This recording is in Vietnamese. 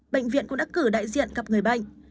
bệnh viện cũng đã cử đại diện gặp người bệnh